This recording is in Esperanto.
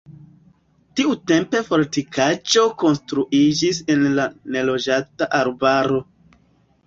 Tiutempe fortikaĵo konstruiĝis en la neloĝata arbaro.